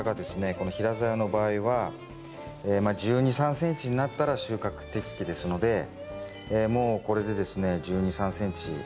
この平ざやの場合は１２１３ｃｍになったら収穫適期ですのでもうこれでですね１２１３ｃｍありますね。